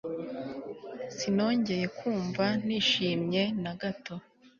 sinongeye kumva nishimye, nagato